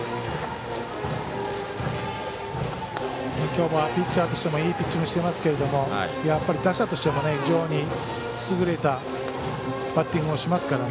今日はピッチャーとしてもいいピッチングしてますけどやっぱり打者としても非常に優れたバッティングをしますから。